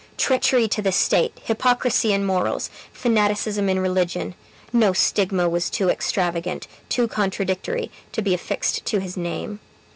Treachery to the state, hypocrisy in morals, fanaticism in religion no stigma was too extravagant, too contradictory, to be affixed to his name.